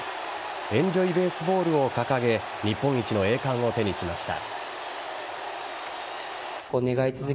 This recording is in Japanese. エンジョイベースボールを掲げ日本一の栄冠を手にしました。